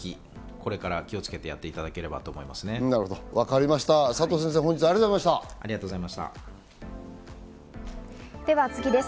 これから気をつけてやっていただければと思います。